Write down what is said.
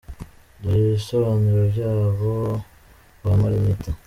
Dore ibisobanuro by’aho bambara impeta